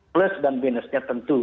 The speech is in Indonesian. plus dan minusnya tentu